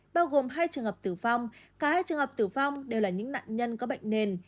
bao gồm hai trường hợp tử vong cả hai trường hợp tử vong đều là những nạn nhân có bệnh nền